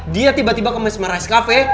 dia tiba tiba kemes mes rai's cafe